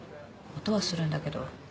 音はするんだけど。